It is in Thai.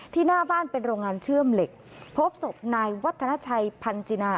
หน้าบ้านเป็นโรงงานเชื่อมเหล็กพบศพนายวัฒนาชัยพันจินา